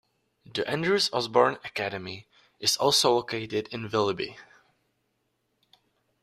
The Andrews Osborne Academy is also located in Willoughby.